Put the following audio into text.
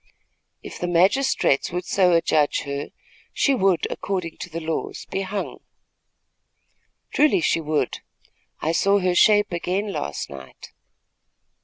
"If the magistrates would so adjudge her, she would, according to the laws, be hung." "Truly she would. I saw her shape again last night."